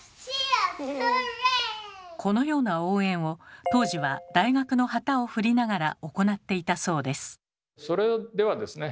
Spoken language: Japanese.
このような応援を当時は大学の旗を振りながら行っていたそうです。